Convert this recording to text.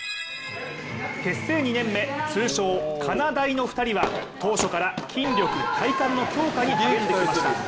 結成２年目通称・かなだいの２人は当初から筋力、体幹の強化に励んできました。